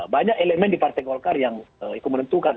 banyak elemen di partai golkar yang ikut menentukan